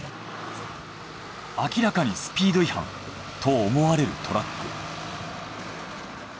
明らかにスピード違反と思われるトラック。